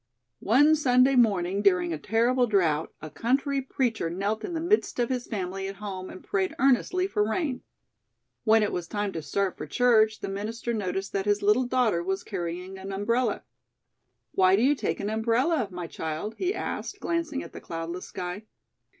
"One Sunday morning during a terrible drought a country preacher knelt in the midst of his family at home and prayed earnestly for rain. When it was time to start for church, the minister noticed that his little daughter was carrying an umbrella. "'Why do you take an umbrella, my child?' he asked, glancing at the cloudless sky.